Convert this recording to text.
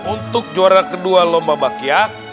untuk juara kedua lomba bakya